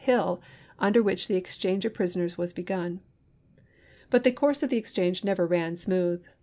Hill, under which the ex change of prisoners was begun. But the course of exchange never ran smooth.